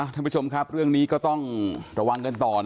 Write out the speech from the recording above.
ท่านผู้ชมครับเรื่องนี้ก็ต้องระวังกันต่อ